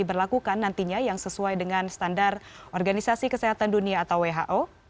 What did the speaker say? diberlakukan nantinya yang sesuai dengan standar organisasi kesehatan dunia atau who